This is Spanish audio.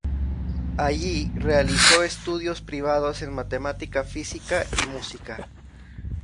Allí, realizó estudios privados en matemática, física, y música.